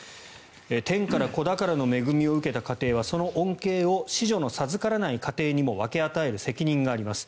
天から子宝の恵みを受けた家庭はその恩恵を子女の授からない家庭にも分け与える責任があります。